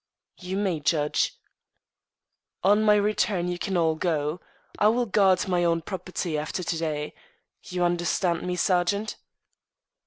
"You may, judge." "On my return you can all go. I will guard my own property after to day. You understand me, sergeant?"